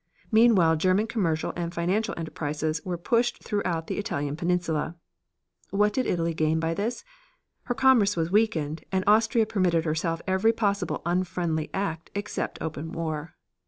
Meanwhile German commercial and financial enterprises were pushed throughout the Italian peninsula. What did Italy gain by this? Her commerce was weakened, and Austria permitted herself every possible unfriendly act except open war.